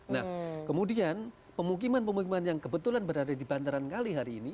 nah kemudian pemukiman pemukiman yang kebetulan berada di bantaran kali hari ini